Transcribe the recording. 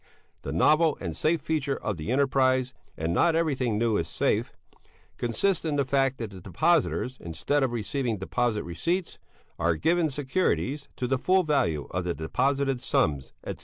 The novel and safe feature of the enterprise and not everything new is safe consists in the fact that the depositors instead of receiving deposit receipts, are given securities to the full value of the deposited sums, etc.